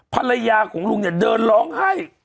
ภรรยาของลุงเนี่ยเดินร้องไห้